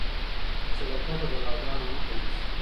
صدقه د بلاګانو مخه نیسي.